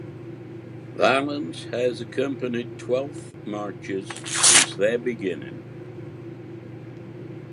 Violence has accompanied Twelfth marches since their beginning.